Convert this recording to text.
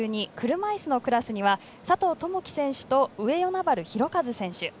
車いすのクラスには佐藤友祈選手と上与那原寛和選手。